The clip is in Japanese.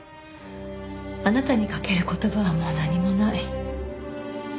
あなたにかける言葉はもう何もない。